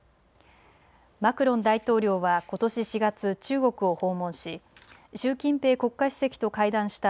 マクロン大統領はことし４月、中国を訪問し習近平国家主席と会談した